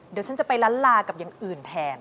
เดี๋ยวฉันจะไปล้านลากับอย่างอื่นแทน